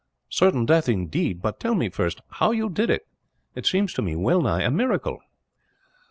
"Certain death, indeed. But tell me, first, how you did it. It seems to me well nigh a miracle."